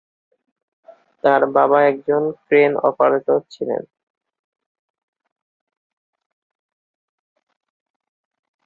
তার বাবা একজন ক্রেন অপারেটর ছিলেন।